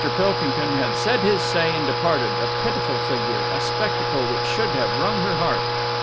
Pilkington had said his say and departed, a pitiful figure, a spectacle which should have wrung her heart.